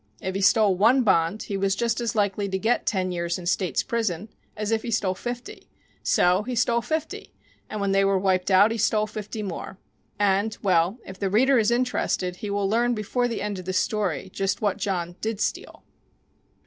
If he stole one bond he was just as likely to get ten years in State's prison as if he stole fifty so he stole fifty, and when they were wiped out he stole fifty more and, well, if the reader is interested he will learn before the end of the story just what John did steal.